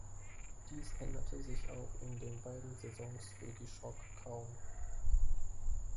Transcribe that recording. Dies änderte sich auch in den beiden Saisons für die Shock kaum.